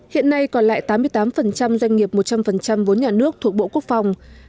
hiện nay còn lại tám mươi tám doanh nghiệp một trăm linh vốn nhà nước thuộc bộ quốc phòng